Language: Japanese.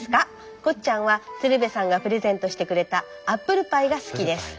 こっちゃんはつるべさんがプレゼントしてくれたアップルパイがすきです。